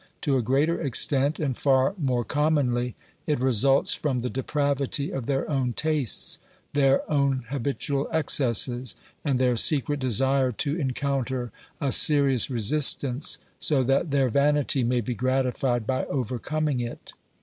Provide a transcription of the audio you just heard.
To a greater extent, and far more com monly, it results from the depravity of their own tastes, their own habitual excesses, and their secret desire to encounter a serious resistance, so that their vanity may be gratified by overcoming it.